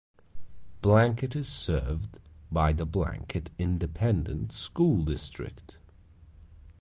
Blanket is served by the Blanket Independent School District.